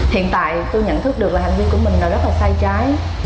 hiện tại tôi nhận thức được là hành vi của mình là rất là sai trái